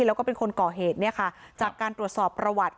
แล้วก็เป็นคนก่อเหตุเนี่ยค่ะจากการตรวจสอบประวัติ